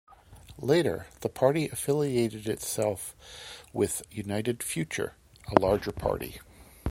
Later, the party affiliated itself with United Future, a larger party.